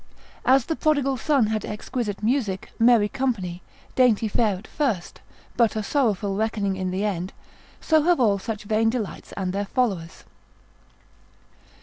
As the prodigal son had exquisite music, merry company, dainty fare at first; but a sorrowful reckoning in the end; so have all such vain delights and their followers.